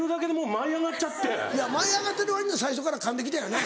舞い上がってる割には最初からかんで来たよね。